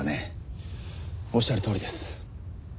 おっしゃるとおりです。